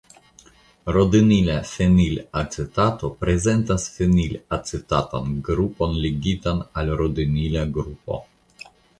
Rodinila fenilacetato prezentas fenilacetatan grupon ligitan al rodinila grupo.